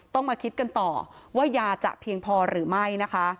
ต้องมาคิดกันต่อว่ายาจะเพียงพอหรือไม่นะคะ